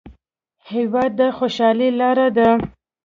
هېواد د خوشحالۍ لار ده.